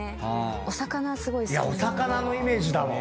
お魚のイメージだもん。